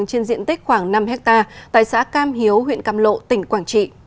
trên diện tích khoảng năm hectare tại xã cam hiếu huyện cam lộ tỉnh quảng trị